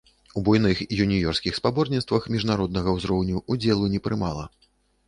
У буйных юніёрскіх спаборніцтвах міжнароднага ўзроўню ўдзелу не прымала.